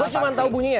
gua cuma tau bunyinya